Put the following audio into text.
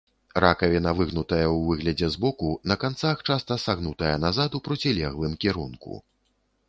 Ракавіна выгнутая ў выглядзе збоку, на канцах часта сагнутая назад у процілеглым кірунку.